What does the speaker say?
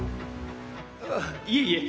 あいえいえ